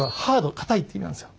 硬いって意味なんですよ。